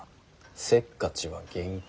せっかちは厳禁。